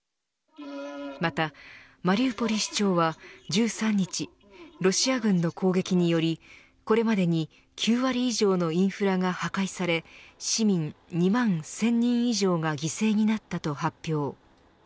またマリウポリ市長は１３日、ロシア軍の攻撃によりこれまでに９割以上のインフラが破壊され市民２万１０００人以上が犠牲になったと発表。